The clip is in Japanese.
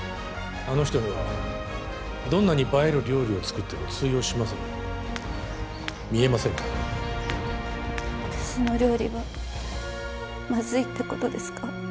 あの人にはどんなに映える料理を作っても通用しませんよ見えませんから私の料理はまずいってことですか？